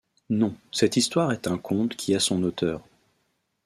Non : cette histoire est un conte qui a son auteur.